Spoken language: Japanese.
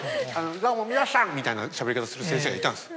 「どうも皆しゃん」みたいなしゃべり方する先生がいたんです。